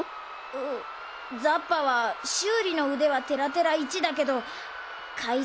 うぅザッパはしゅうりのうではテラテラいちだけどかい